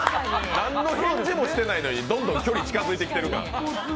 何の返事もしてないのにどんどん距離近づいてきてる感。